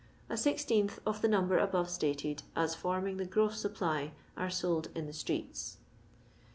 A sixteenth of the number above stated as forming the gross supply are sold in the streets.